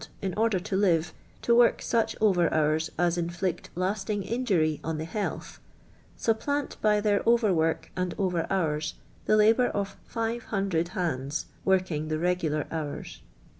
i order to live, to work such ov«T hours as intiict lasting injury «»n the hialth. supplant, by tlieir over work anil over hour.«j, tup labour of 5O0 hand"", working the regu'ar hours.